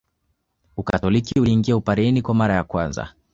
Ukatoliki uliingia Upareni kwa mara ya kwanza